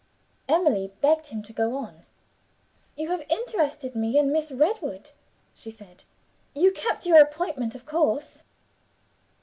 Emily begged him to go on. "You have interested me in Miss Redwood," she said. "You kept your appointment, of course?"